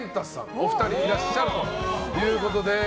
お二人いらっしゃるということで。